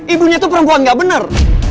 ibunya tuh perempuan gak bener